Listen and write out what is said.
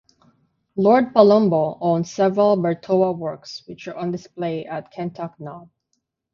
Lord Palumbo owns several Bertoia works which are on display at Kentuck Knob.